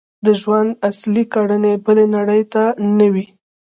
د ژوند اصلي کړنې بلې نړۍ ته نه وي.